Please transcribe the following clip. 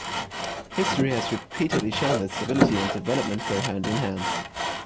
History has repeatedly shown that stability and development go hand in hand.